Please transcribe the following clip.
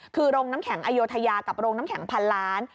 คือโรงน้ำแข็งอโยธยากับโรงน้ำแข็งพันล้าน